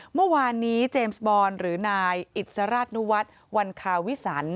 เมื่อวานนี้เจมส์บอลหรือนายอิสราชนุวัฒน์วันคาวิสัน